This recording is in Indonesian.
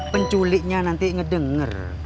penculiknya nanti ngedenger